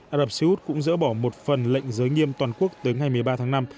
ả rập xê út cũng dỡ bỏ một phần lệnh giới nghiêm toàn quốc tới ngày một mươi ba tháng năm